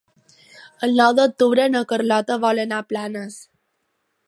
El nou d'octubre na Carlota vol anar a Planes.